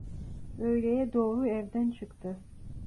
Öğleye doğru evden çıktı.